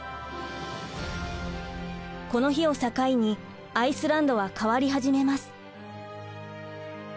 この日を境にアイスランドは変わり始めます。